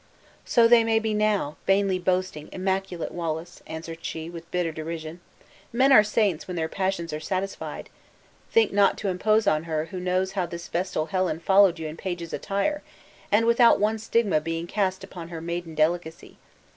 "So they may be now, vainly boasting, immaculate Wallace!" answered she, with bitter derision; "men are saints when their passions are satisfied. Think not to impose on her who knows how this vestal Helen followed you in page's attire, and without one stigma being cast upon her maiden delicacy.